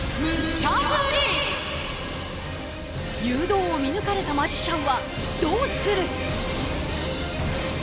誘導を見抜かれたマジシャンはどうする？